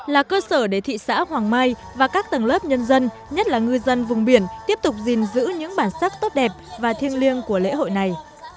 là cơ sở để thị xã hoàng mai và các tầng lớp nhân dân nhất là ngư dân vùng biển tiếp tục gìn giữ những bản sắc tốt đẹp và thiêng liêng của lễ hội này